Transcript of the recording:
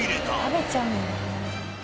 食べちゃうんだ。